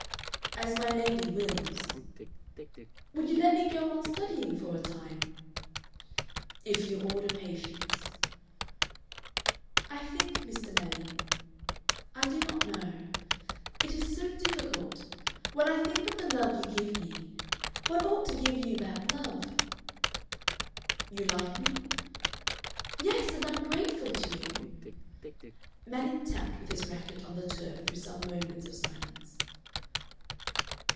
"As my lady wills." "Would you let me go on studying for a time?" "If you order patience." "I think, Mr. Manning... I do not know. It is so difficult. When I think of the love you give me One ought to give you back love." "You like me?" "Yes. And I am grateful to you...." Manning tapped with his racket on the turf through some moments of silence.